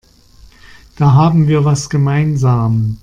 Da haben wir was gemeinsam.